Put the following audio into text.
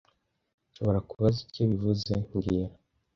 Nshobora kubaza icyo bivuze mbwira